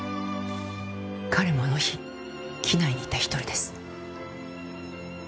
彼もあの日機内にいた一人です。